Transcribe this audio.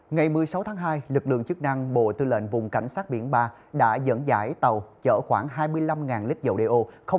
ngày một mươi sáu tháng hai lực lượng chức năng bộ tư lệnh vùng cảnh sát biển ba đã dẫn dãi tàu chở khoảng hai mươi năm lít dầu đeo